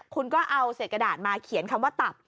คุณก็เอาเศษกระดาษมาเขียนคำว่าตับ